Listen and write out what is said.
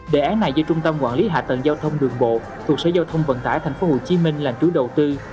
đề án này do trung tâm quản lý hạ tầng giao thông đường bộ thuộc sở giao thông vận tải tp hcm làm chủ đầu tư